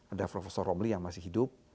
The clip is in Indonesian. ada profesor romli yang masih hidup